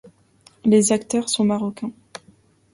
Les acteurs sont Marocains.